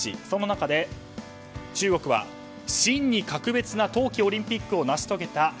その中で中国は真に格別な冬季オリンピックを成し遂げた。